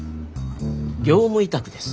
業務委託です。